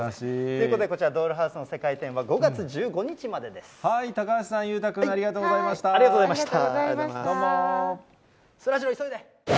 ということでこちら、ドールハウスの世界展は、５月１５日までで高橋さん、裕太君、ありがとありがとうございました。